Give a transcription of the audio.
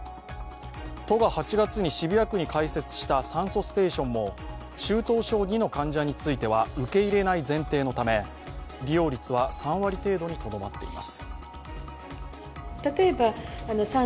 都が８月に渋谷区に解説した酸素ステーションも中等症Ⅱの患者については受け入れない前提のため利用率は３割程度にとどまっています。